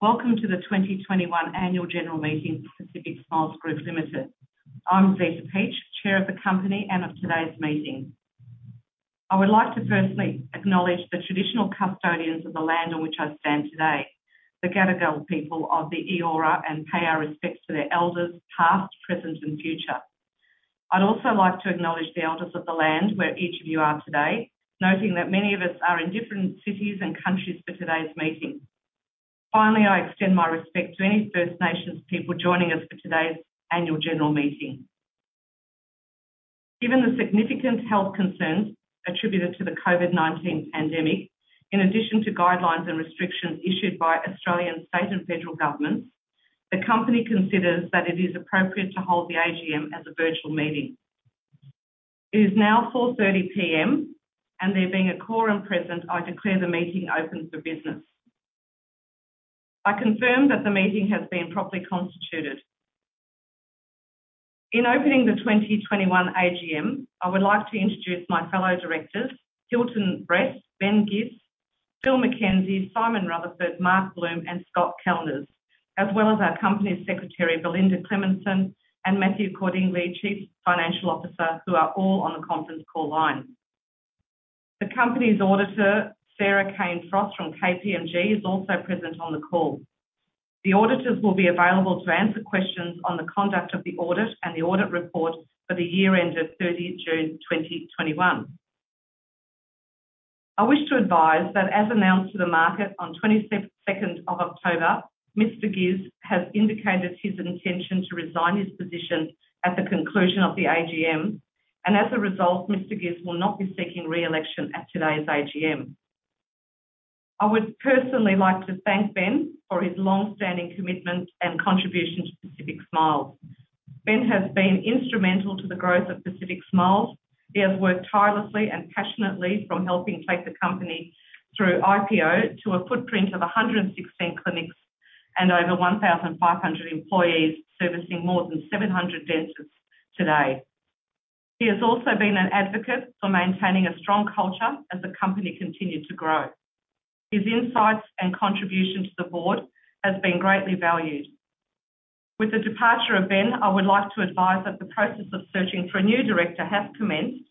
Welcome to the 2021 Annual General Meeting for Pacific Smiles Group Limited. I'm Zita Peach, Chair of the Company and of today's meeting. I would like to firstly acknowledge the traditional custodians of the land on which I stand today, the Gadigal people of the Eora, and pay our respects to their Elders, past, present, and future. I'd also like to acknowledge the Elders of the land where each of you are today, noting that many of us are in different cities and countries for today's meeting. Finally, I extend my respect to any First Nations people joining us for today's Annual General Meeting. Given the significant health concerns attributed to the COVID-19 pandemic, in addition to guidelines and restrictions issued by Australian state and federal governments, the company considers that it is appropriate to hold the AGM as a virtual meeting. It is now 4:30 P.M., and there being a quorum present, I declare the meeting open for business. I confirm that the meeting has been properly constituted. In opening the 2021 AGM, I would like to introduce my fellow directors, Hilton Brett, Ben Gisz, Phil McKenzie, Simon Rutherford, Mark Bloom, and Scott Kalniz, as well as our Company's Secretary, Belinda Cleminson, and Matthew Cordingley, Chief Financial Officer, who are all on the conference call line. The Company's Auditor, Sarah Cain-Frost from KPMG, is also present on the call. The auditors will be available to answer questions on the conduct of the audit and the Audit Report for the year ended 30 June 2021. I wish to advise that as announced to the market on 22nd October, Mr. Gisz has indicated his intention to resign his position at the conclusion of the AGM. As a result, Mr. Gisz will not be seeking re-election at today's AGM. I would personally like to thank Ben for his long-standing commitment and contribution to Pacific Smiles. Ben has been instrumental to the growth of Pacific Smiles. He has worked tirelessly and passionately from helping take the company through IPO, to a footprint of 116 clinics and over 1,500 employees, servicing more than 700 dentists today. He has also been an advocate for maintaining a strong culture as the company continued to grow. His insights and contribution to the Board has been greatly valued. With the departure of Ben, I would like to advise that the process of searching for a new director has commenced,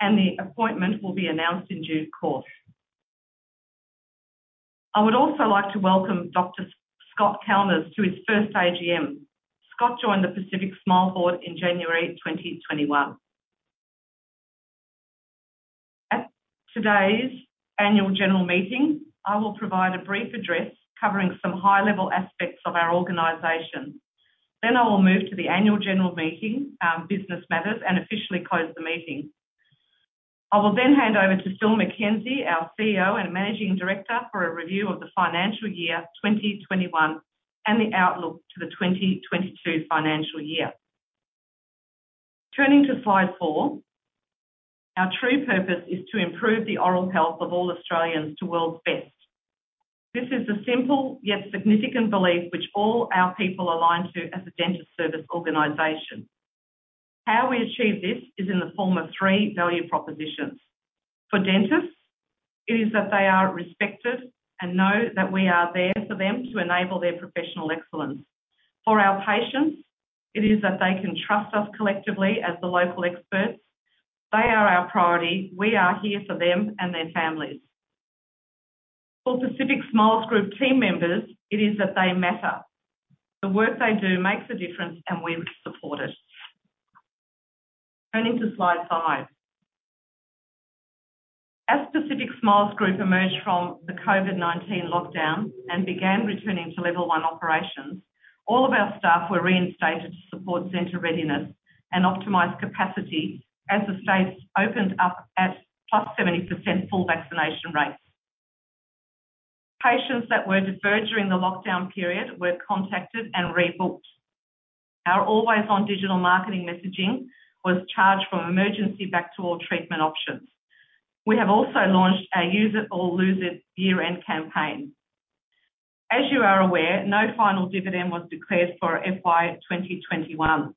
and the appointment will be announced in due course. I would also like to welcome Dr. Scott Kalniz to his first AGM. Scott joined the Pacific Smiles Board in January 2021. At today's Annual General Meeting, I will provide a brief address covering some high-level aspects of our organization. I will move to the Annual General Meeting business matters, and officially close the meeting. I will then hand over to Phil McKenzie, our CEO and Managing Director, for a review of the financial year 2021 and the outlook to the 2022 financial year. Turning to slide four, our true purpose is to improve the oral health of all Australians to world's best. This is a simple, yet significant belief which all our people align to as a dental service organization. How we achieve this is in the form of three value propositions. For dentists, it is that they are respected and know that we are there for them to enable their professional excellence. For our patients, it is that they can trust us collectively as the local experts. They are our priority. We are here for them and their families. For Pacific Smiles Group team members, it is that they matter. The work they do makes a difference, and we support it. Turning to slide five. As Pacific Smiles Group emerged from the COVID-19 lockdown and began returning to level one operations, all of our staff were reinstated to support centre readiness and optimize capacity as the states opened up at +70% full vaccination rates. Patients that were deferred during the lockdown period were contacted and rebooked. Our always-on digital marketing messaging was charged from emergency back to all treatment options. We have also launched our Use It or Lose It year-end campaign. As you are aware, no final dividend was declared for FY 2021.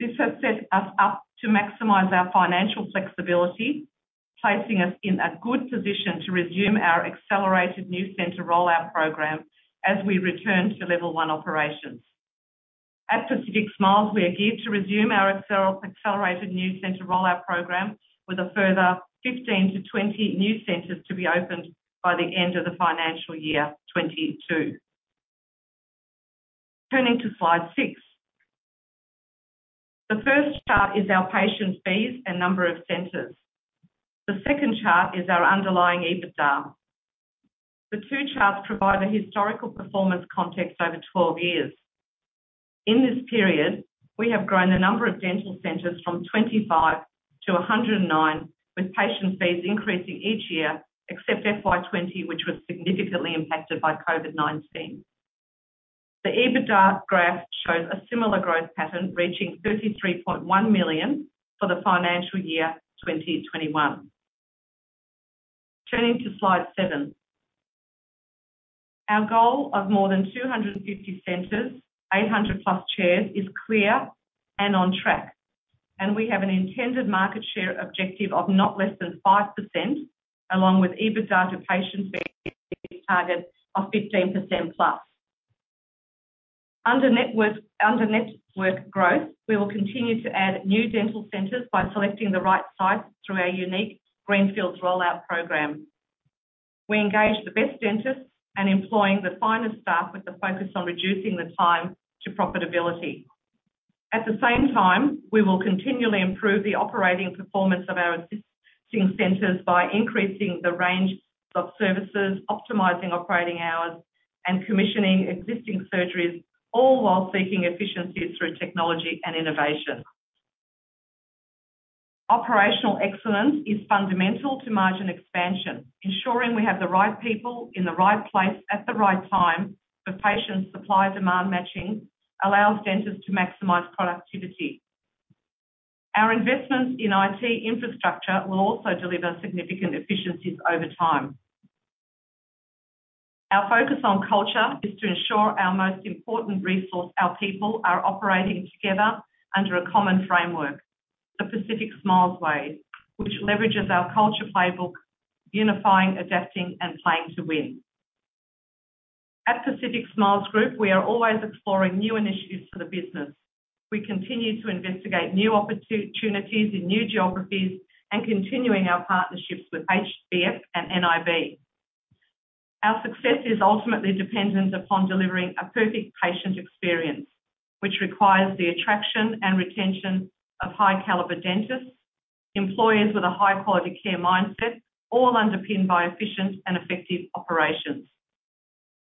This has set us up to maximize our financial flexibility, placing us in a good position to resume our accelerated new centre rollout program as we return to level one operations. At Pacific Smiles, we are geared to resume our accelerated new centre rollout program with a further 15-20 new centres to be opened by the end of the financial year 2022. Turning to slide six. The first chart is our patient fees and number of centres. The second chart is our underlying EBITDA. The two charts provide a historical performance context over 12 years. In this period, we have grown the number of dental centres from 25 to 109, with patient fees increasing each year, except FY 2020, which was significantly impacted by COVID-19. The EBITDA graph shows a similar growth pattern, reaching 33.1 million for the financial year 2021. Turning to slide seven. Our goal of more than 250 centres, 800+ chairs, is clear and on track. We have an intended market share objective of not less than 5%, along with EBITDA to patient spend target of 15%+. Under network growth, we will continue to add new dental centres by selecting the right sites through our unique greenfields rollout program. We engage the best dentists and employing the finest staff with the focus on reducing the time to profitability. At the same time, we will continually improve the operating performance of our existing centres by increasing the range of services, optimizing operating hours, and commissioning existing surgeries, all while seeking efficiencies through technology and innovation. Operational excellence is fundamental to margin expansion, ensuring we have the right people in the right place at the right time for patient supply-demand matching, allows dentists to maximize productivity. Our investment in IT infrastructure will also deliver significant efficiencies over time. Our focus on culture is to ensure our most important resource, our people, are operating together under a common framework, the Pacific Smiles way, which leverages our culture playbook, unifying, adapting, and playing to win. At Pacific Smiles Group, we are always exploring new initiatives for the business. We continue to investigate new opportunities in new geographies and continuing our partnerships with HBF and nib. Our success is ultimately dependent upon delivering a perfect patient experience, which requires the attraction and retention of high caliber dentists, employees with a high quality care mindset, all underpinned by efficient and effective operations.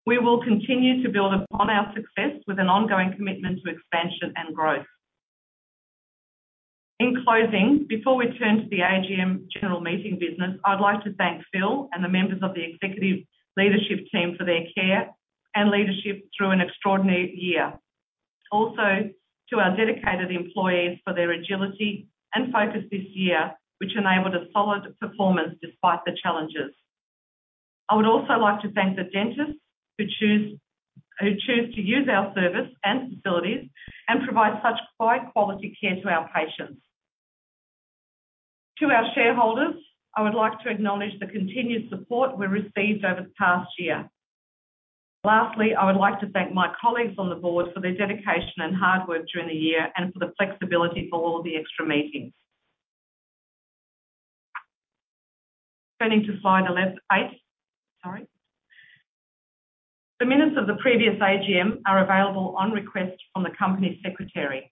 We will continue to build upon our success with an ongoing commitment to expansion and growth. In closing, before we turn to the AGM general meeting business, I'd like to thank Phil and the members of the executive leadership team for their care and leadership through an extraordinary year. Also, to our dedicated employees for their agility and focus this year, which enabled a solid performance despite the challenges. I would also like to thank the dentists who choose to use our service and facilities and provide such high quality care to our patients. To our shareholders, I would like to acknowledge the continued support we received over the past year. Lastly, I would like to thank my colleagues on the Board for their dedication and hard work during the year and for the flexibility for all of the extra meetings. Turning to slide eight. Sorry. The Minutes of the previous AGM are available on request from the Company Secretary.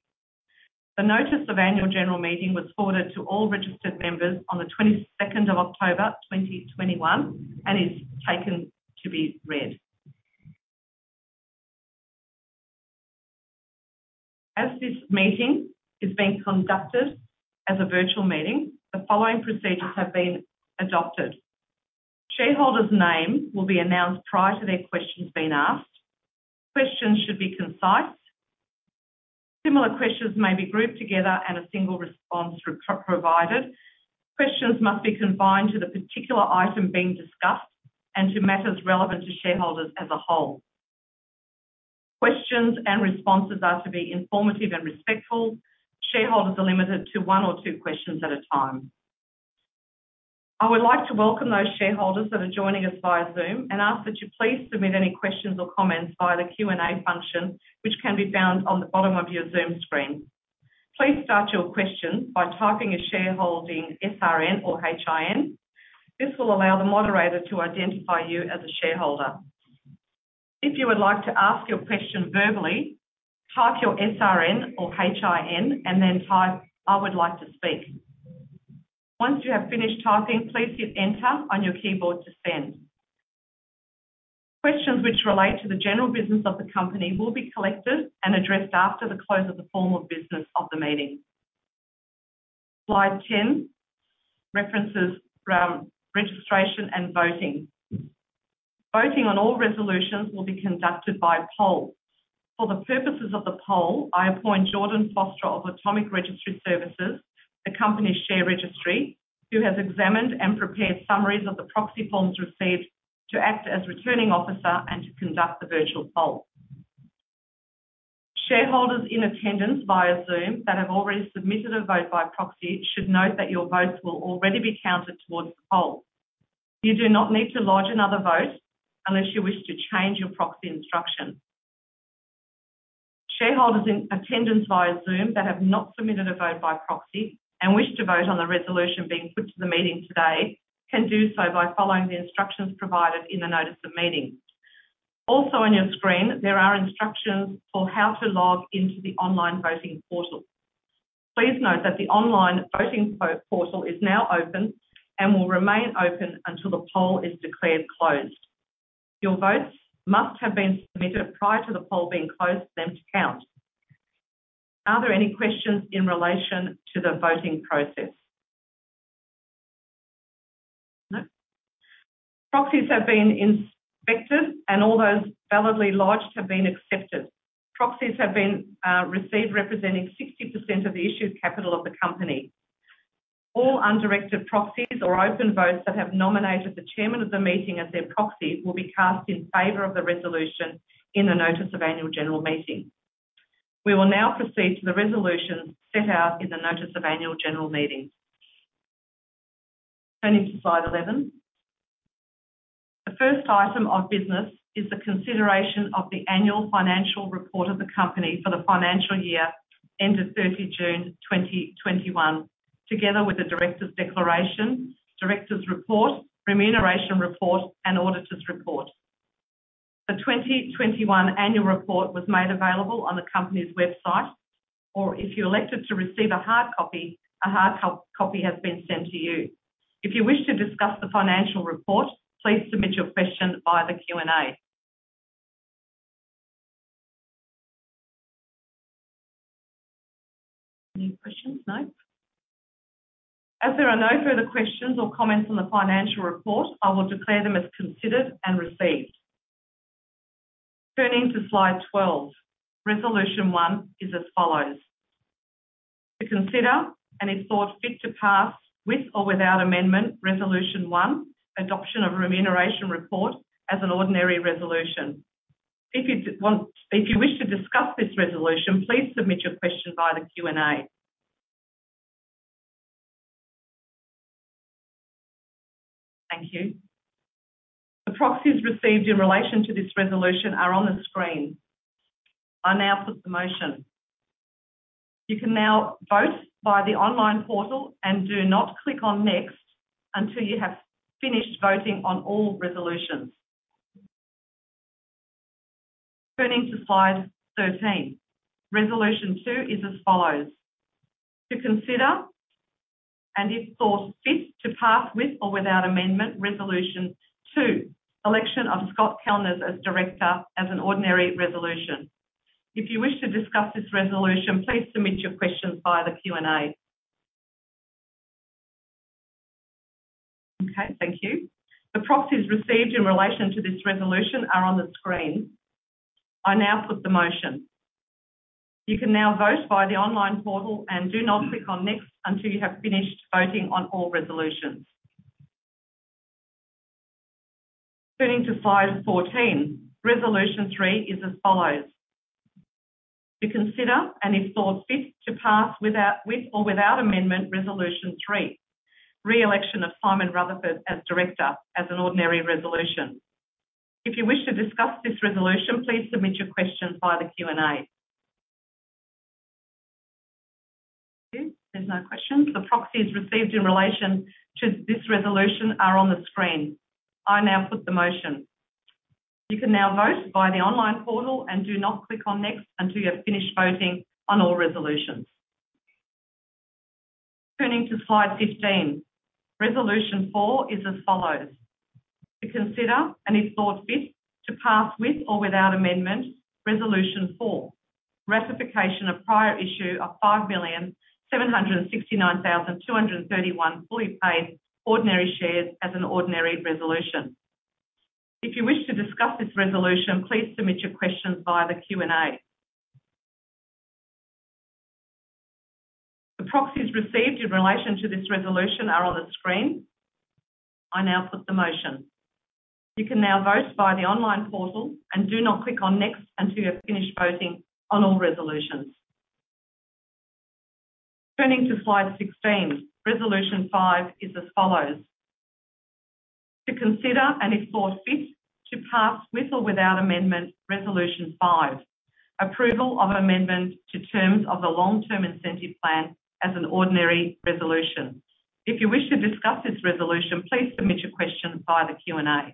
The Notice of Annual General Meeting was forwarded to all registered members on the 22nd of October, 2021, and is taken to be read. As this meeting is being conducted as a virtual meeting, the following procedures have been adopted. Shareholders' names will be announced prior to their questions being asked. Questions should be concise. Similar questions may be grouped together and a single response provided. Questions must be confined to the particular item being discussed and to matters relevant to shareholders as a whole. Questions and responses are to be informative and respectful. Shareholders are limited to one or two questions at a time. I would like to welcome those shareholders that are joining us via Zoom and ask that you please submit any questions or comments via the Q&A function, which can be found on the bottom of your Zoom screen. Please start your questions by typing your shareholding SRN or HIN. This will allow the moderator to identify you as a shareholder. If you would like to ask your question verbally, type your SRN or HIN and then type, "I would like to speak." Once you have finished typing, please hit enter on your keyBoard to send. Questions which relate to the general business of the company will be collected and addressed after the close of the formal business of the meeting. Slide 10 references around registration and voting. Voting on all resolutions will be conducted by poll. For the purposes of the poll, I appoint Jordan Foster of Automic Registry Services, the company's share registry, who has examined and prepared summaries of the proxy forms received to act as Returning Officer and to conduct the virtual poll. Shareholders in attendance via Zoom that have already submitted a vote by proxy should note that your votes will already be counted towards the poll. You do not need to lodge another vote unless you wish to change your proxy instruction. Shareholders in attendance via Zoom that have not submitted a vote by proxy and wish to vote on the resolution being put to the meeting today can do so by following the instructions provided in the Notice of Meeting. Also on your screen, there are instructions for how to log into the online voting portal. Please note that the online voting portal is now open and will remain open until the poll is declared closed. Your votes must have been submitted prior to the poll being closed for them to count. Are there any questions in relation to the voting process? No. Proxies have been inspected, and all those validly lodged have been accepted. Proxies have been received representing 60% of the issued capital of the company. All undirected proxies or open votes that have nominated the Chairman of the Meeting as their proxy will be cast in favor of the resolution in the Notice of Annual General Meeting. We will now proceed to the resolutions set out in the Notice of Annual General Meeting. Turning to slide 11. The first item of business is the consideration of the Annual Financial Report of the Company for the financial year ended 30 June 2021, together with the Directors' Declaration, Directors' Report, Remuneration Report and Auditors' Report. The 2021 Annual Report was made available on the company's website, or if you elected to receive a hard copy, a hard copy has been sent to you. If you wish to discuss the financial report, please submit your question via the Q&A. Any questions? No. As there are no further questions or comments on the financial report, I will declare them as considered and received. Turning to slide 12. Resolution 1 is as follows. To consider, and if thought fit to pass, with or without amendment, Resolution 1, Adoption of a Remuneration Report as an ordinary resolution. If you don't want... If you wish to discuss this resolution, please submit your question via the Q&A. Thank you. The proxies received in relation to this resolution are on the screen. I now put the motion. You can now vote via the online portal, and do not click on next until you have finished voting on all resolutions. Turning to slide 13. Resolution 2 is as follows. To consider, and if thought fit to pass, with or without amendment, Resolution 2, Election of Scott Kalniz as Director as an ordinary resolution. If you wish to discuss this resolution, please submit your questions via the Q&A. Okay, thank you. The proxies received in relation to this resolution are on the screen. I now put the motion. You can now vote via the online portal, and do not click on next until you have finished voting on all resolutions. Turning to slide 14. Resolution 3 is as follows. To consider, and if thought fit to pass, with or without amendment, Resolution 3, Re-election of Simon Rutherford as Director as an ordinary resolution. If you wish to discuss this resolution, please submit your question via the Q&A. There's no questions. The proxies received in relation to this resolution are on the screen. I now put the motion. You can now vote via the online portal, and do not click on next until you have finished voting on all resolutions. Turning to slide 15. Resolution 4 is as follows. To consider, and if thought fit to pass, with or without amendment, Resolution 4, Ratification of prior issue of 5,769,231 fully paid ordinary shares as an ordinary resolution. If you wish to discuss this resolution, please submit your questions via the Q&A. The proxies received in relation to this resolution are on the screen. I now put the motion. You can now vote via the online portal, and do not click on next until you have finished voting on all resolutions. Turning to slide 16. Resolution 5 is as follows. To consider, and if thought fit to pass, with or without amendment, Resolution 5, Approval of Amendment to terms of the long-term incentive plan as an ordinary resolution. If you wish to discuss this resolution, please submit your question via the Q&A.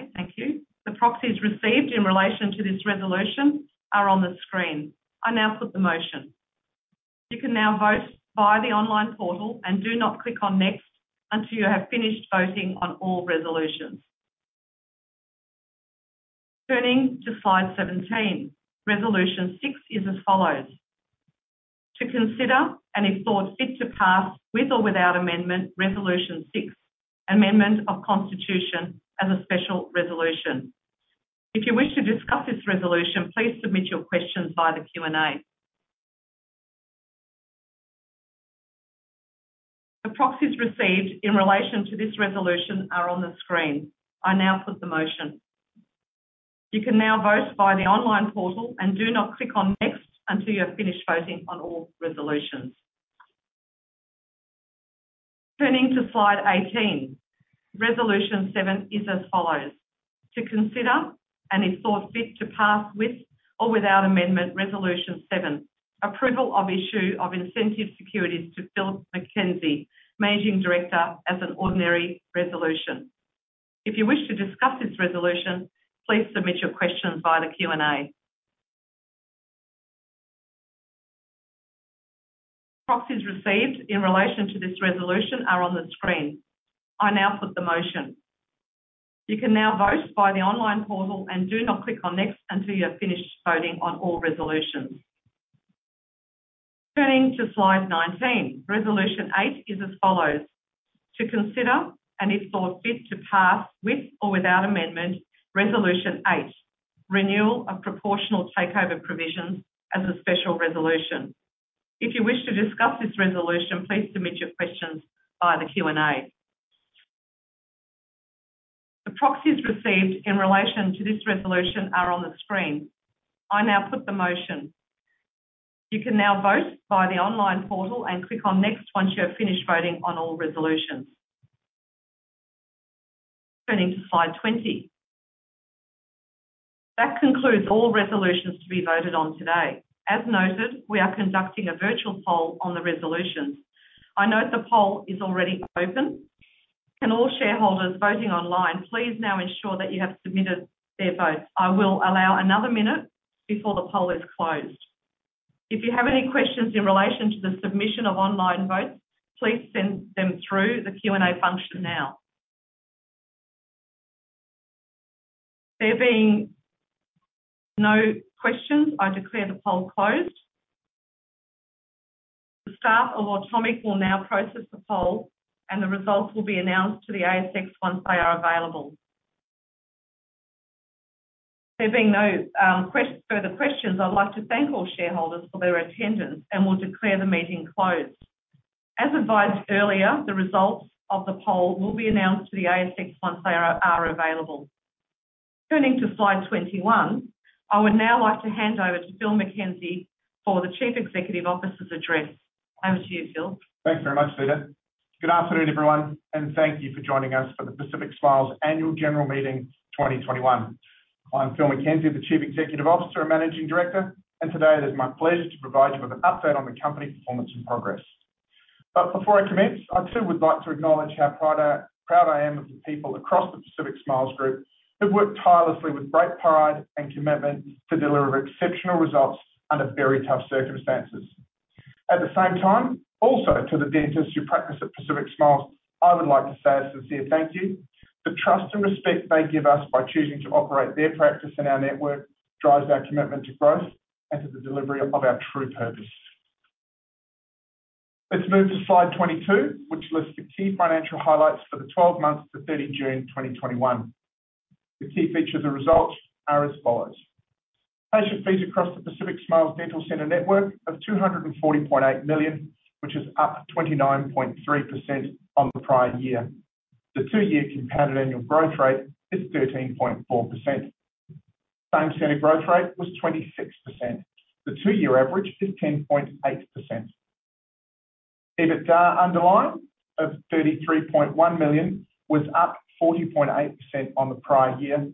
Okay, thank you. The proxies received in relation to this resolution are on the screen. I now put the motion. You can now vote via the online portal, and do not click on next until you have finished voting on all resolutions. Turning to slide 17. Resolution 6 is as follows. To consider, and if thought fit to pass, with or without amendment, Resolution 6, Amendment of Constitution as a special resolution. If you wish to discuss this resolution, please submit your questions via the Q&A. The proxies received in relation to this resolution are on the screen. I now put the motion. You can now vote via the online portal, and do not click on next until you have finished voting on all resolutions. Turning to slide 18. Resolution 7 is as follows. To consider, and if thought fit to pass, with or without amendment, Resolution 7, Approval of issue of incentive securities to Philip McKenzie, Managing Director, as an ordinary resolution. If you wish to discuss this resolution, please submit your questions via the Q&A. Proxies received in relation to this resolution are on the screen. I now put the motion. You can now vote via the online portal, and do not click on next until you have finished voting on all resolutions. Turning to slide 19. Resolution 8 is as follows, to consider and if thought fit to pass with or without amendment, Resolution 8, Renewal of proportional takeover provisions as a special resolution. If you wish to discuss this resolution, please submit your questions via the Q&A. The proxies received in relation to this resolution are on the screen. I now put the motion. You can now vote via the online portal and click on next once you have finished voting on all resolutions. Turning to slide 20. That concludes all resolutions to be voted on today. As noted, we are conducting a virtual poll on the resolutions. I note the poll is already open. Can all shareholders voting online, please now ensure that you have submitted their votes. I will allow another minute before the poll is closed. If you have any questions in relation to the submission of online votes, please send them through the Q&A function now. There being no questions, I declare the poll closed. The staff of Automic will now process the poll, and the results will be announced to the ASX once they are available. There being no further questions, I'd like to thank all shareholders for their attendance and will declare the meeting closed. As advised earlier, the results of the poll will be announced to the ASX once they are available. Turning to slide 21. I would now like to hand over to Phil McKenzie for the Chief Executive Officer's address. Over to you, Phil. Thanks very much, Zita. Good afternoon, everyone, and thank you for joining us for the Pacific Smiles Annual General Meeting 2021. I'm Phil McKenzie, the Chief Executive Officer and Managing Director. Today it is my pleasure to provide you with an update on the company performance and progress. Before I commence, I too would like to acknowledge how proud I am of the people across the Pacific Smiles Group who've worked tirelessly with great pride and commitment to deliver exceptional results under very tough circumstances. At the same time, also to the dentists who practice at Pacific Smiles, I would like to say a sincere thank you. The trust and respect they give us by choosing to operate their practice in our network drives our commitment to growth and to the delivery of our true purpose. Let's move to slide 22, which lists the key financial highlights for the 12 months to 30 June 2021. The key features and results are as follows: Patient fees across the Pacific Smiles Dental Centres network of 240.8 million, which is up 29.3% on the prior year. The two-year compounded annual growth rate is 13.4%. Same centre growth rate was 26%. The two-year average is 10.8%. EBITDA underlying of 33.1 million was up 40.8% on the prior year.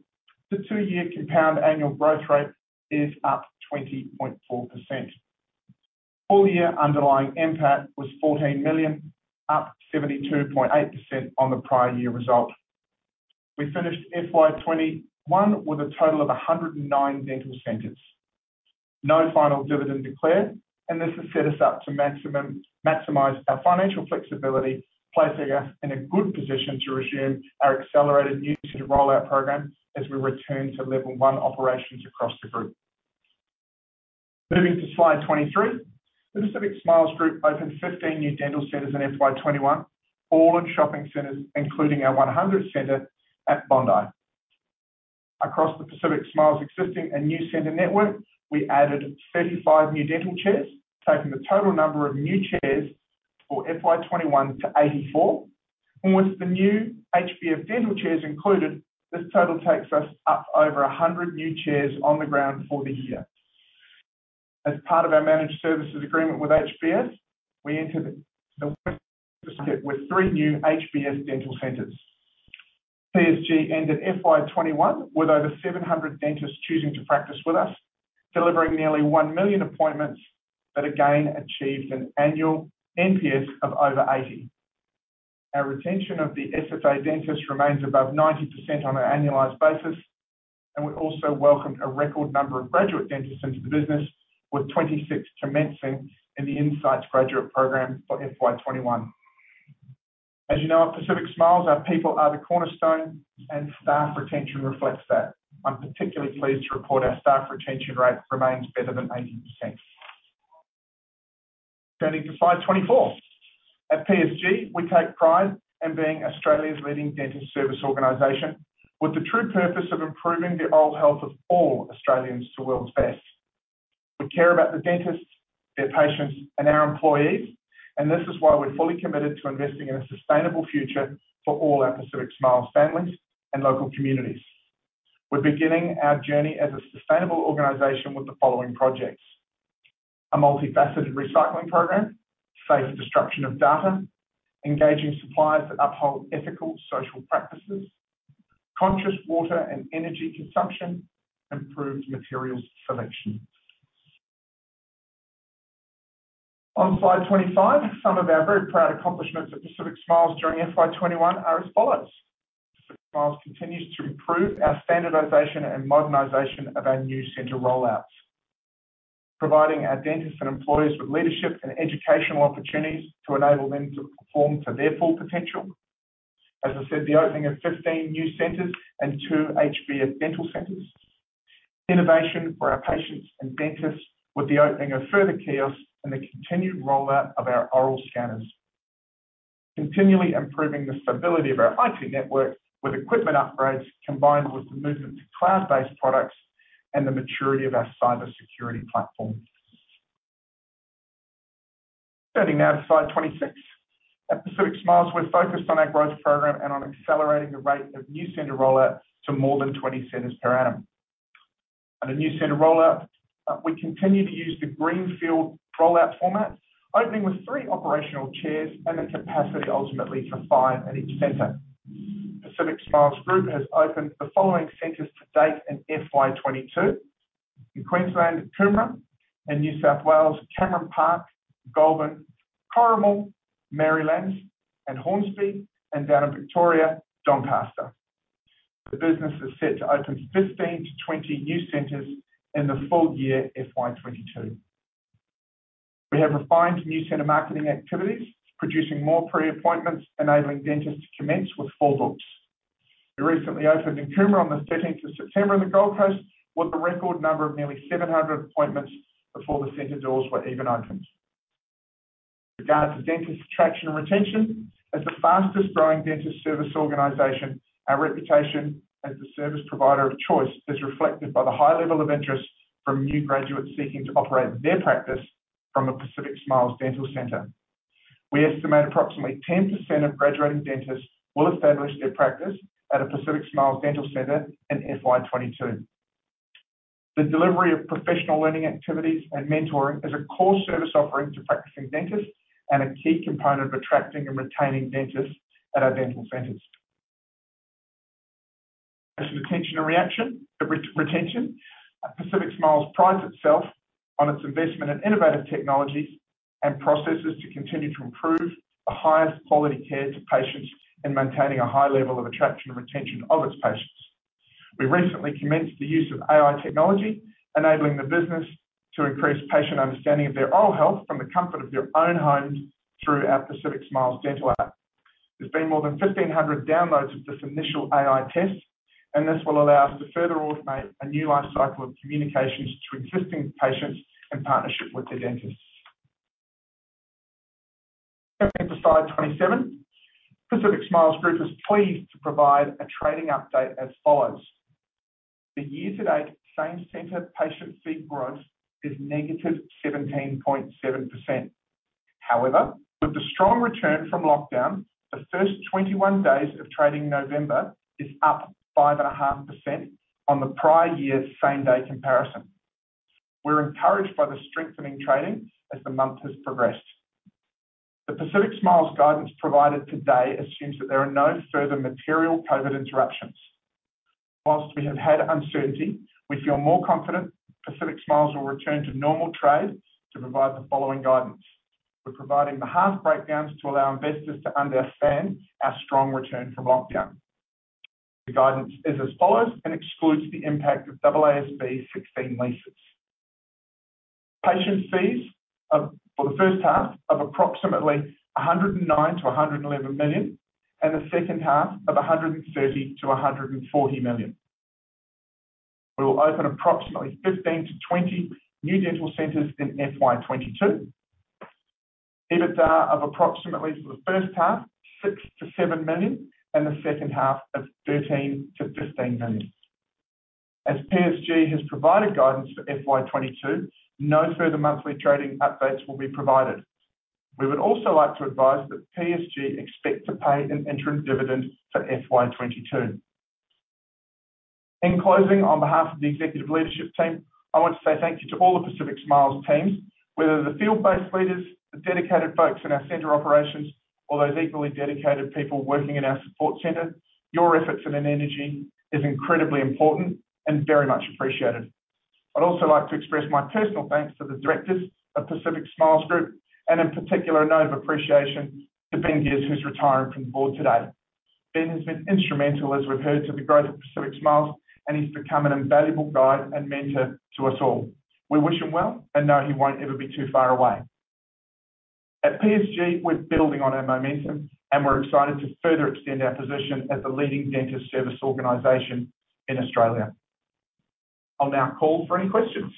The two-year compound annual growth rate is up 20.4%. Full year underlying NPAT was 14 million, up 72.8% on the prior-year result. We finished FY 2021 with a total of 109 dental centres. No final dividend declared, and this has set us up to maximize our financial flexibility, placing us in a good position to resume our accelerated new centre rollout program as we return to level one operations across the group. Moving to slide 23. The Pacific Smiles Group opened 15 new dental centres in FY 2021, all in shopping centres, including our 100th centre at Bondi. Across the Pacific Smiles existing and new centre network, we added 35 new dental chairs, taking the total number of new chairs for FY 2021 to 84. With the new HBF Dental chairs included, this total takes us up over 100 new chairs on the ground for the year. As part of our managed services agreement with HBF, we entered the market with three new HBF Dental centres. PSG ended FY 2021 with over 700 dentists choosing to practice with us, delivering nearly 1 million appointments that again achieved an annual NPS of over 80. Our retention of the SFA dentist remains above 90% on an annualized basis, and we also welcomed a record number of graduate dentists into the business with 26 commencing in the Insights Graduate Program for FY 2021. As you know, at Pacific Smiles, our people are the cornerstone, and staff retention reflects that. I'm particularly pleased to report our staff retention rate remains better than 80%. Turning to slide 24. At PSG, we take pride in being Australia's leading dentist service organization with the true purpose of improving the oral health of all Australians to world's best. We care about the dentists, their patients, and our employees, and this is why we're fully committed to investing in a sustainable future for all our Pacific Smiles families and local communities. We're beginning our journey as a sustainable organization with the following projects. A multifaceted recycling program, safe destruction of data, engaging suppliers that uphold ethical social practices, conscious water and energy consumption, improved materials selection. On slide 25, some of our very proud accomplishments at Pacific Smiles during FY 2021 are as follows. Pacific Smiles continues to improve our standardization and modernization of our new centre rollouts. Providing our dentists and employees with leadership and educational opportunities to enable them to perform to their full potential. As I said, the opening of 15 new centres and two HBF Dental centres. Innovation for our patients and dentists with the opening of further kiosks and the continued rollout of our oral scanners. Continually improving the stability of our IT network with equipment upgrades, combined with the movement to cloud-based products and the maturity of our cybersecurity platform. Turning now to slide 26. At Pacific Smiles, we're focused on our growth program and on accelerating the rate of new centre rollout to more than 20 centres per annum. On the new centre rollout, we continue to use the greenfield rollout format, opening with three operational chairs and the capacity ultimately for five at each centre. Pacific Smiles Group has opened the following centres to date in FY 2022: in Queensland, Coomera; in New South Wales, Cameron Park, Goulburn, Corrimal, Merrylands, and Hornsby; and down in Victoria, Doncaster. The business is set to open 15-20 new centres in the full year FY 2022. We have refined new centre marketing activities, producing more pre-appointments, enabling dentists to commence with full books. We recently opened in Coomera on the 13th of September on the Gold Coast, with a record number of nearly 700 appointments before the centre doors were even opened. Regarding dentist attraction and retention. As the fastest-growing dental service organization, our reputation as the service provider of choice is reflected by the high level of interest from new graduates seeking to operate their practice from a Pacific Smiles Dental Centres. We estimate approximately 10% of graduating dentists will establish their practice at a Pacific Smiles Dental Centres in FY 2022. The delivery of professional learning activities and mentoring is a core service offering to practicing dentists and a key component of attracting and retaining dentists at our dental centres. As to retention and attraction. Pacific Smiles prides itself on its investment in innovative technologies and processes to continue to improve the highest quality care to patients and maintaining a high level of attraction and retention of its patients. We recently commenced the use of AI technology, enabling the business to increase patient understanding of their oral health from the comfort of their own homes through our Pacific Smiles Dental app. There's been more than 1,500 downloads of this initial AI test, and this will allow us to further automate a new life cycle of communications to existing patients in partnership with their dentists. Going to slide 27. Pacific Smiles Group is pleased to provide a trading update as follows. The year-to-date same centre patient fee growth is -17.7%. However, with the strong return from lockdown, the first 21 days of trading November is up 5.5% on the prior year's same-day comparison. We're encouraged by the strengthening trading as the month has progressed. The Pacific Smiles guidance provided today assumes that there are no further material COVID interruptions. While we have had uncertainty, we feel more confident Pacific Smiles will return to normal trade to provide the following guidance. We're providing the half breakdowns to allow investors to understand our strong return from lockdown. The guidance is as follows and excludes the impact of AASB 16 leases. Patient fees for the first half of approximately 109 million-111 million, and the second half of 130 million-140 million. We will open approximately 15-20 new dental centres in FY 2022. EBITDA of approximately for the first half 6 million-7 million and the second half of 13 million-15 million. As PSG has provided guidance for FY 2022, no further monthly trading updates will be provided. We would also like to advise that PSG expects to pay an interim dividend for FY 2022. In closing, on behalf of the executive leadership team, I want to say thank you to all the Pacific Smiles teams. Whether the field-based leaders, the dedicated folks in our centre operations, or those equally dedicated people working in our support centre, your efforts and energy is incredibly important and very much appreciated. I'd also like to express my personal thanks to the Directors of Pacific Smiles Group, and in particular, a note of appreciation to Ben Gisz, who's retiring from the Board today. Ben has been instrumental, as we've heard, to the growth of Pacific Smiles, and he's become an invaluable guide and mentor to us all. We wish him well and know he won't ever be too far away. At PSG, we're building on our momentum, and we're excited to further extend our position as the leading dentist service organization in Australia. I'll now call for any questions.